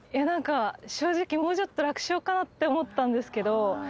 何か正直もうちょっと楽勝かなって思ったんですけど。